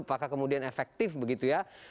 apakah kemudian efektif begitu ya